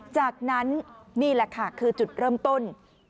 จากนั้นนี่แหละค่ะคือจุดเริ่มต้น